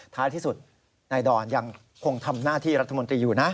ท้ายที่สุดนายดอนยังคงทำหน้าที่รัฐมนตรีอยู่นะ